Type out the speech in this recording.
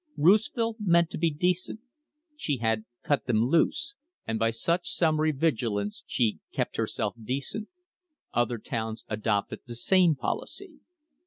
Rouseville meant to be decent. She had cut them loose, and by such summary vigilance she kept herself decent. Other towns adopted the same policy.